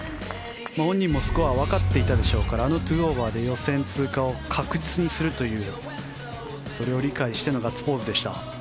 本人もスコアはわかっていたでしょうからあの２オーバーで予選通過を確実にするというそれを理解してのガッツポーズでした。